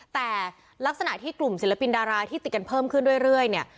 แต่ลักษณะที่กลุ่มศิลปินดาราที่ติดกันเพิ่มขึ้นเรื่อยเนี่ย